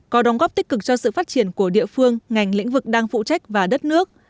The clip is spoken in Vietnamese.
có đóng góp tích cực cho sự phát triển của địa phương ngành lĩnh vực đang phụ trách và đất nước